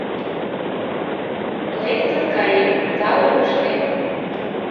Лектын каем — тау ыштем